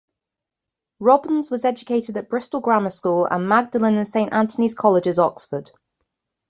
Robbins was educated at Bristol Grammar School, and Magdalen and Saint Antony's Colleges, Oxford.